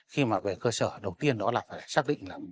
khi mà về cơ sở đầu tiên đó là phải xác định là